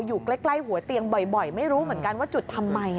อยู่ใกล้หัวเตียงบ่อยไม่รู้เหมือนกันว่าจุดทำไม